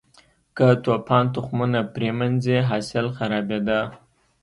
که توپان تخمونه پرې منځي، حاصل خرابېده.